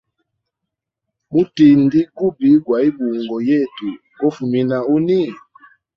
Mutingi gubi gwaibungo yetu gofumina huni.